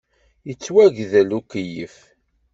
Yettwagdel ukeyyef.